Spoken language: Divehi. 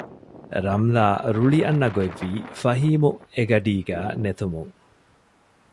ރަމްލާ ރުޅި އަންނަގޮތްވީ ފަހީމު އެގަޑީގައި ނެތުމުން